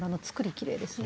きれいですね。